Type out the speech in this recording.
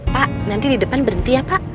pak nanti di depan berhenti ya pak